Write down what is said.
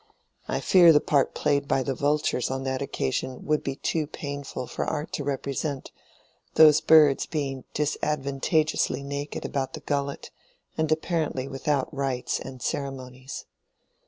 (I fear the part played by the vultures on that occasion would be too painful for art to represent, those birds being disadvantageously naked about the gullet, and apparently without rites and ceremonies.)